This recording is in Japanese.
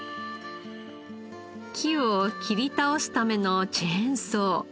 木を切り倒すためのチェーンソー。